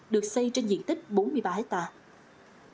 được xây trên diện tích bốn mươi ba hectare